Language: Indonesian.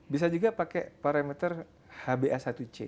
bisa juga pakai parameter hba satu c